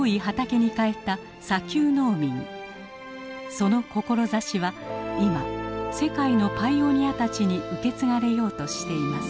その志は今世界のパイオニアたちに受け継がれようとしています。